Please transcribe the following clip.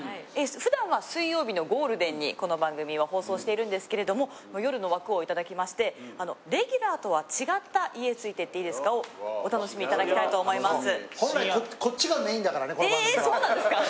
ふだんは水曜日のゴールデンにこの番組を放送しているんですけれども夜の枠をいただきましてレギュラーとは違った『家ついて行ってイイですか？』をお楽しみいただきたいと思います。